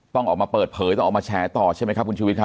ต้องออกมาเปิดเผยต้องออกมาแฉต่อใช่ไหมครับคุณชุวิตครับ